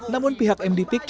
namun pihak md pikirnya